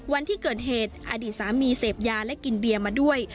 วันที่เกิดเหตุอดีตสามีเสพยาและกินเบียร์มาด้วย